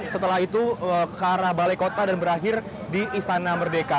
setelah itu ke arah balai kota dan berakhir di istana merdeka